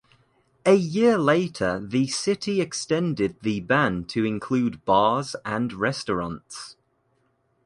A year later the city extended the ban to include bars and restaurants.